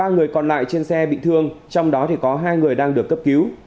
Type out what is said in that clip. ba người còn lại trên xe bị thương trong đó có hai người đang được cấp cứu